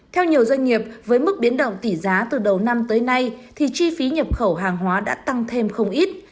theo nhiều doanh nghiệp với mức biến động tỷ giá từ đầu năm tới nay thì chi phí nhập khẩu hàng hóa đã tăng thêm không ít